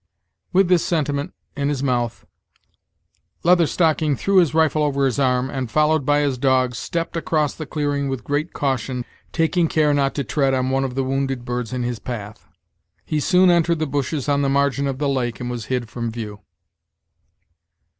With this sentiment in his month, Leather Stocking threw his rifle over his arm, and, followed by his dogs, stepped across the clearing with great caution, taking care not to tread on one of the wounded birds in his path. He soon entered the bushes on the margin of the lake and was hid from view.